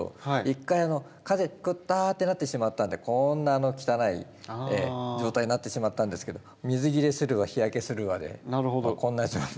一回完全にクターッてなってしまったんでこんな汚い状態になってしまったんですけど水切れするわ日焼けするわでこんな状態に。